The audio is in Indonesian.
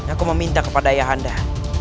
aku meminta kepada ayahanda